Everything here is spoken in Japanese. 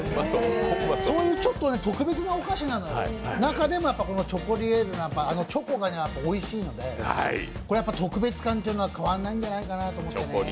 そういうちょっと特別なお菓子なのよ、中でもチョコリエールはチョコがおいしいので、これは特別感は変わらないんじゃないかなと。